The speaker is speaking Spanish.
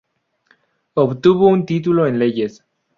Obtuvo un título en leyes.